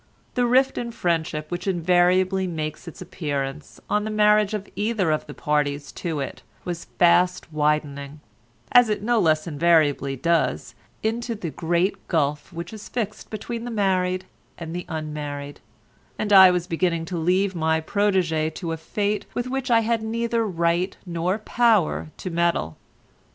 The rift in friendship which invariably makes its appearance on the marriage of either of the parties to it was fast widening, as it no less invariably does, into the great gulf which is fixed between the married and the unmarried, and I was beginning to leave my protégé to a fate with which I had neither right nor power to meddle.